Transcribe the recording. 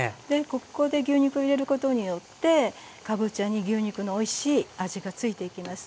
ここで牛肉を入れることによってかぼちゃに牛肉のおいしい味がついていきます。